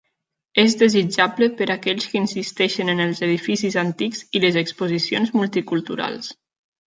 És desitjable per a aquells que insisteixen en els edificis antics i les exposicions multiculturals.